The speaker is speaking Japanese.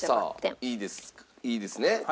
さあいいですね？